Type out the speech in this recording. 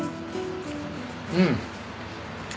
うん！